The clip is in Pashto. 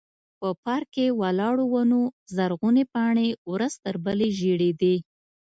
په پارک کې ولاړو ونو زرغونې پاڼې ورځ تر بلې ژړېدې.